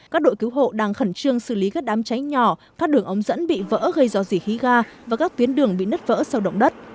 các đội cứu hộ đang khẩn trương xử lý các đám cháy nhỏ các đường ống dẫn bị vỡ gây do dỉ khí ga và các tuyến đường bị nứt vỡ sau động đất